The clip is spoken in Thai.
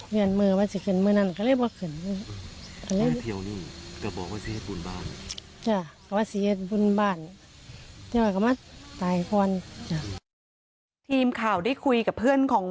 เลื่อนมือว่าสิขึ้นมือนั่นก็เลยบอกขึ้น